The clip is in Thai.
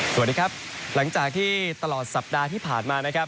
สวัสดีครับหลังจากที่ตลอดสัปดาห์ที่ผ่านมานะครับ